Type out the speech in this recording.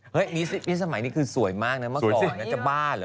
มิสมัยนี้คือสวยมากนะเมื่อก่อนน่าจะบ้าเหรอ